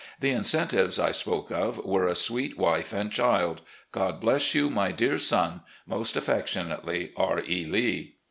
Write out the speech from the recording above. The incentives I spoke of were a sweet wife and child. God bless you, my dear son. "Most affectionately, "R. E. Lee."